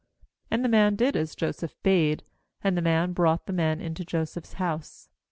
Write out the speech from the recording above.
17And the man did as Joseph bade; and the man brought the men into Joseph's house.